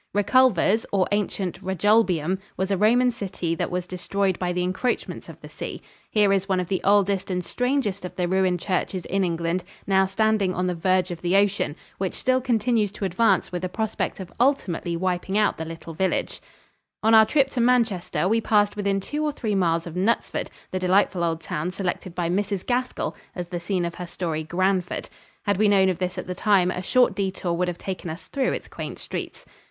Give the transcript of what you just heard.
Reculvers, or ancient Regulbium, was a Roman city that was destroyed by the encroachments of the sea. Here is one of the oldest and strangest of the ruined churches in England, now standing on the verge of the ocean, which still continues to advance with a prospect of ultimately wiping out the little village. [Illustration: A BIT OF OLD ENGLAND. From Water Color by Anderson.] On our trip to Manchester we passed within two or three miles of Knutsford, the delightful old town selected by Mrs. Gaskell as the scene of her story, "Granford." Had we known of this at the time, a short detour would have taken us through its quaint streets.